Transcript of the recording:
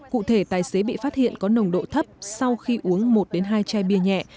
cụ thể tài xế bị phát hiện có nồng độ thấp sau khi uống một hai chai bia nhẹ